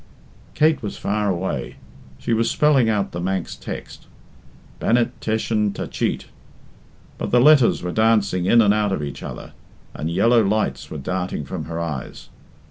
Kate was far away. She was spelling out the Manx text, "Bannet T'eshyn Ta Cheet," but the letters were dancing in and out of each other, and yellow lights were darting from her eyes.